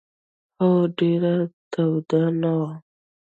هوا ډېره توده نه وه.